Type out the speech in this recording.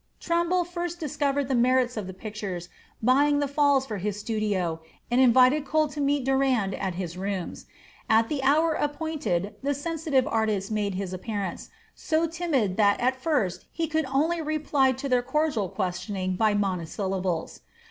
Trumbull first discovered the merits of the pictures, buying the "Falls" for his studio, and invited Cole to meet Durand at his rooms. At the hour appointed the sensitive artist made his appearance, so timid that at first he could only reply to their cordial questioning by monosyllables.